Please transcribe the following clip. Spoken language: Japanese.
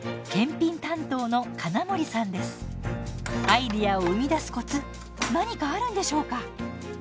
アイデアを生み出すコツ何かあるんでしょうか？